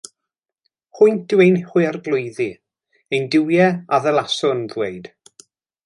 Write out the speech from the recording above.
Hwynt yw ein harglwyddi — ein duwiau a ddylaswn ddweud.